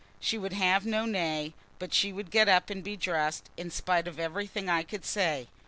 She would have no nay, but she would get up and be dressed, in spite of everything I could say.